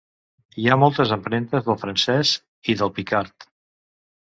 Hi ha moltes empremtes del francès i del picard.